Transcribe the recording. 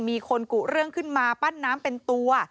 มีคนกุเรื่องขึ้นมาปั้นน้ำเป็นตัว